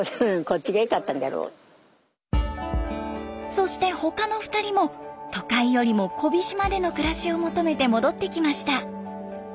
そして他の２人も都会よりも小飛島での暮らしを求めて戻ってきました。